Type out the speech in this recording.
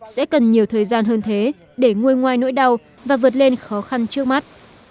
sẽ cần nhiều thời gian hơn thế để nguôi ngoài nỗi đau và vượt lên khó khăn trước mắt